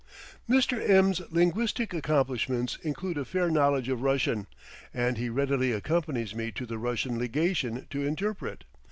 Mr. M 's linguistic accomplishments include a fair knowledge of Russian, and he readily accompanies me to the Russian Legation to interpret.